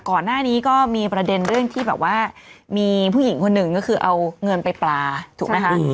ก่อนหน้านี้ก็มีประเด็นเรื่องที่แบบว่ามีผู้หญิงคนหนึ่งก็คือเอาเงินไปปลาถูกไหมคะ